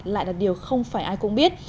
lại là điều không phải ai cũng biết